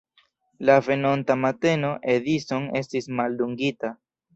La venonta mateno Edison estis maldungita.